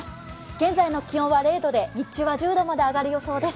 現在の気温は０度で日中は１０度まで上がる予想です。